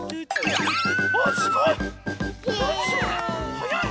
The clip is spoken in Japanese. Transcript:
はやい！